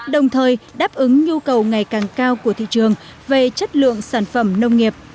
đồng thời đáp ứng nhu cầu ngày càng cao của thị trường về chất lượng sản phẩm nông nghiệp